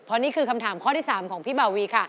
เพราะนี่คือคำถามข้อที่๓ของพี่บาวีค่ะ